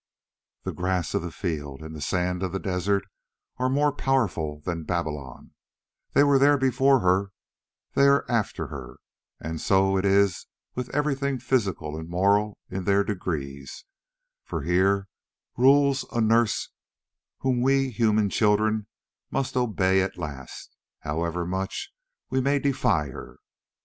The grass of the field and the sand of the desert are more powerful than Babylon; they were before her, they are after her; and so it is with everything physical and moral in their degrees, for here rules a nurse whom we human children must obey at last, however much we may defy her.